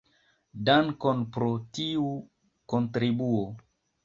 Dankon pro tiu kontribuo.